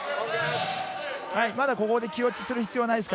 まだここで気落ちする必要はないです。